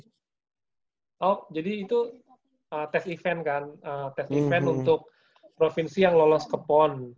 oh jadi itu tes event kan tes event untuk provinsi yang lolos ke pon